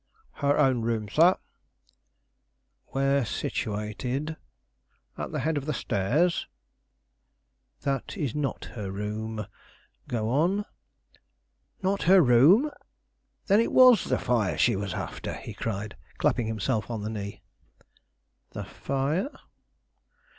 "Her own room, sir." "Where situated?" "At the head of the stairs." "That is not her room. Go on." "Not her room? Then it was the fire she was after!" he cried, clapping himself on the knee. "The fire?"